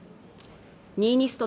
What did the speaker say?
ニーニスト